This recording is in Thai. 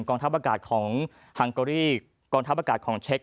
ทัพอากาศของฮังกอรี่กองทัพอากาศของเช็ค